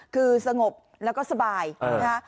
คือสงบแล้วก็สบายนะฮะ